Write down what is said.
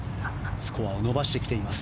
スコアを伸ばしてきています。